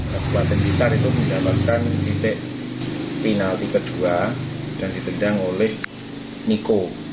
kabupaten blitar itu mendapatkan titik penalti kedua dan ditendang oleh niko